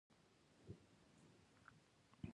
وګړي د ټولو افغانانو د ګټورتیا یوه ډېره مهمه برخه ده.